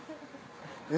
え？